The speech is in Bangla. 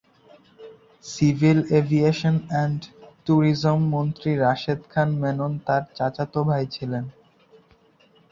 সিভিল এভিয়েশন অ্যান্ড ট্যুরিজম মন্ত্রী রাশেদ খান মেনন তার চাচাত ভাই ছিলেন।